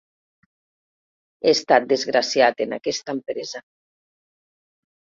He estat desgraciat en aquesta empresa.